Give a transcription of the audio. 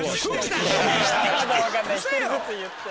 １人ずつ言って。